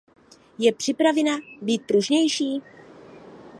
Je připravena být pružnější?